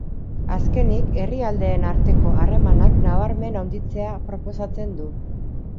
Azkenik, herrialdeen arteko harremanak nabarmen handitzea proposatzen du.